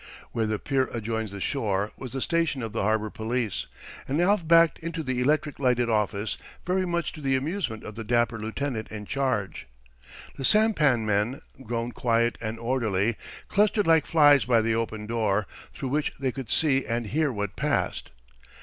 Where the pier adjoins the shore was the station of the harbor police, and Alf backed into the electric lighted office, very much to the amusement of the dapper lieutenant in charge. The sampan men, grown quiet and orderly, clustered like flies by the open door, through which they could see and hear what passed.